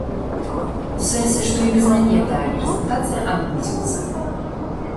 У сэнсе, што і без мяне тая прэзентацыя адбудзецца.